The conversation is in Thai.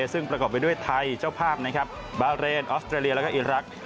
ซึ่งประกอบไปด้วยไทยเจ้าภาพนะครับบาเรนออสเตรเลียแล้วก็อีรักษ